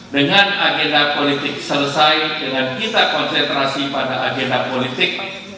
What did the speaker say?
dengan agenda politik selesai dengan kita konsentrasi pada agenda politik